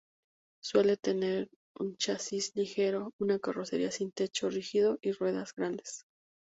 Suele tener un chasis ligero, una carrocería sin techo rígido y ruedas grandes.